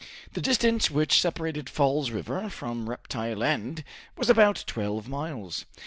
The distance which separated Falls River from Reptile End was about twelve miles.